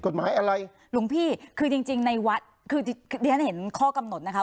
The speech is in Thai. ทำลุงพี่คือจริงจริงในวัดคือเด้อเย็นเห็นข้อกำหนดนะคะ